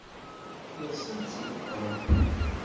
Yeḍṣa-tt-id Tom.